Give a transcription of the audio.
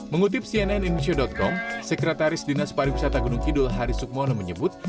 mengutip cnn indonesia com sekretaris dinas pariwisata gunung kidul hari sukmono menyebut